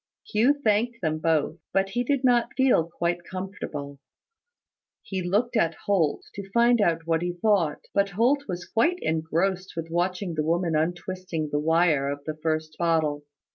Hugh thanked them both; but he did not feel quite comfortable. He looked at Holt, to find out what he thought: but Holt was quite engrossed with watching the woman untwisting the wire of the first bottle.